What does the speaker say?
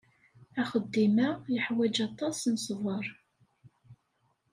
Axeddim-a yeḥwaj aṭas n ṣṣber.